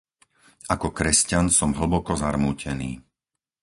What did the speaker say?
Ako kresťan som hlboko zarmútený.